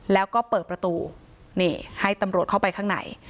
แล้วก็เปิดประตูนี่ให้ตำรวจเข้าไปข้างใน